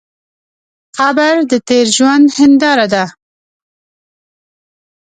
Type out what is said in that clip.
قبر د تېر ژوند هنداره ده.